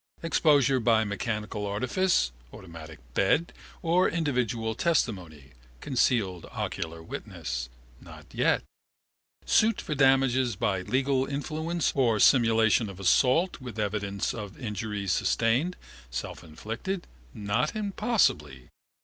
Exposure by mechanical artifice (automatic bed) or individual testimony (concealed ocular witnesses), not yet. Suit for damages by legal influence or simulation of assault with evidence of injuries sustained (selfinflicted), not impossibly.